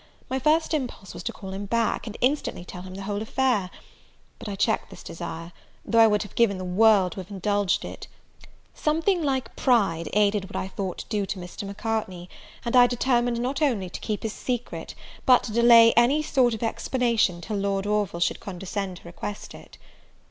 My first impulse was to call him back, and instantly tell him the whole affair; but I checked this desire, though I would have given the world to have indulged it; something like pride aided what I thought due to Mr. Macartney, and I determined not only to keep his secret, but to delay any sort of explanation till Lord Orville should condescend to request it.